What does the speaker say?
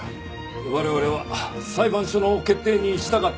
我々は裁判所の決定に従ったまでで。